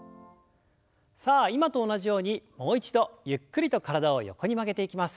さあ今と同じようにもう一度ゆっくりと体を横に曲げていきます。